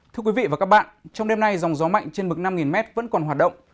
thưa quý vị và các bạn trong đêm nay dòng gió mạnh trên mực năm m vẫn còn hoạt động